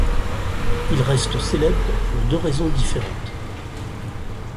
Il reste célèbre pour deux raisons différentes.